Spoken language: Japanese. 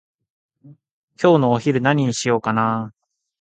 今日のお昼何にしようかなー？